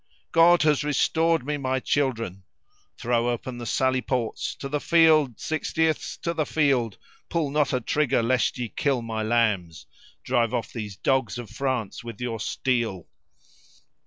God has restored me to my children! Throw open the sally port; to the field, Sixtieths, to the field; pull not a trigger, lest ye kill my lambs! Drive off these dogs of France with your steel."